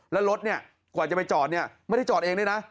แล้วรถเนี่ยกว่าจะไปจอดเนี่ยไม่ได้จอดเองด้วยนะ